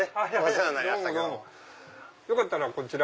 よかったらこちら。